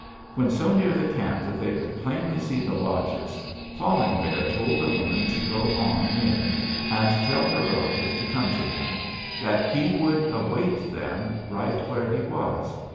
"When so near the camp that they could plainly see the lodges, Falling Bear told the woman to go on in and tell her relatives to come to him; that he would await them right where he was.